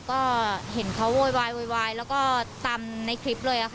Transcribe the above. ก็เห็นเขาโวยวายแล้วก็ตามในคลิปเลย